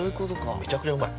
◆めちゃくちゃうまい。